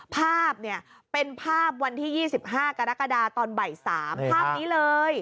ภาพเนี่ยเป็นภาพวันที่๒๕กรกฎาตอนบ่าย๓ภาพนี้เลย